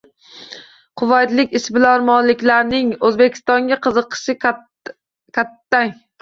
Quvaytlik ishbilarmonlarning O‘zbekistonga qiziqishi kattang